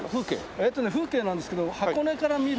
えっとね風景なんですけども箱根から見る。